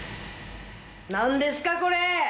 何ですかこれ！